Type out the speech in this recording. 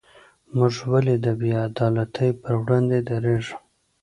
موږ ولې د بې عدالتۍ پر وړاندې دریږو؟